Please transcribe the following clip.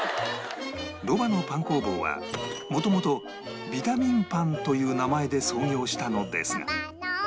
ロバのパン工房は元々ビタミンパンという名前で創業したのですが